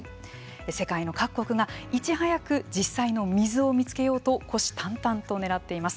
世界の各国がいち早く実際の水を見つけようと虎視たんたんと狙っています。